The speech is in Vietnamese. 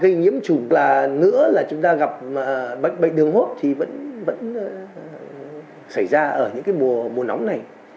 gây nhiễm chủng là nữa là chúng ta gặp bệnh đường hô hấp thì vẫn xảy ra ở những mùa mùa nóng này